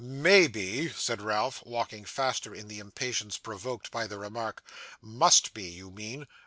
'May be!' said Ralph, walking faster, in the impatience provoked by the remark; 'must be, you mean.